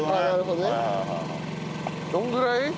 どれぐらい？